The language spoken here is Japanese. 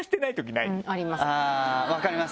あぁ分かります。